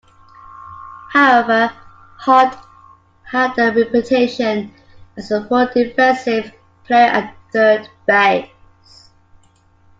However, Hart had a reputation as a poor defensive player at third base.